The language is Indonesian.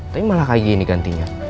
tapi malah kayak gini gantinya